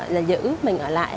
là giữ mình ở lại